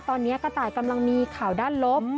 ตอนนี้กระต่ายกำลังมีข่าวด้านลบ